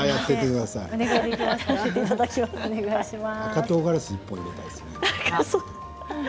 赤とうがらしを入れたいですね。